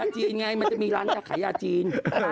จิ๋นไงจะมีร้านแต่ขายยาจิ๋น